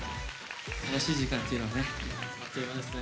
楽しい時間というのはねあっという間ですね。